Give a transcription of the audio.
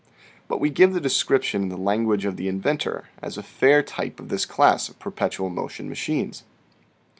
Fig. ii. But we give the description in the language of the inventor, as a fair type of this class of perpetual motion machines.